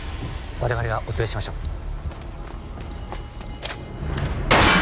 我々がお連れしましょう。